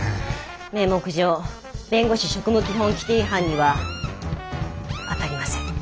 名目上弁護士職務基本規程違反にはあたりません。